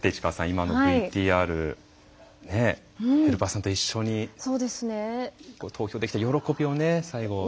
今のＶＴＲヘルパーさんと一緒に投票できて喜びをね最後。